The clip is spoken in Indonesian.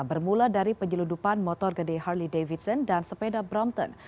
bermula dari penyeludupan motor gede harley davidson dan sepeda brompton